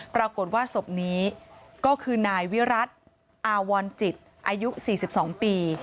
ปรากฏว่าศพนี้ก็คือนายวิรัติอาวรจิตอายุ๔๒ปี